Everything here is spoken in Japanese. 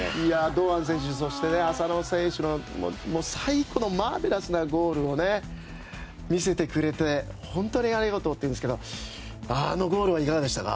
堂安選手そして浅野選手の最後のマーベラスなゴールを見せてくれて本当にありがとうですけどあのゴールいかがでしたか？